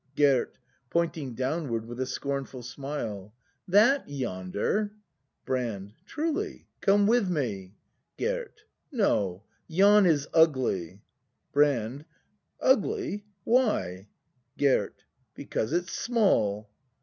Gerd. [Pointing downward tvith a scornful smile.] That yonder ? Brand. Truly; come with me. Gerd. No; yon is ugly. Brand. Ugly ? Why ? Gerd. Because it's small.